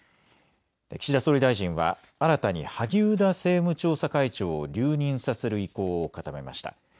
岸田総理大臣は新たに萩生田政務調査会長を留任させる意向を固めました。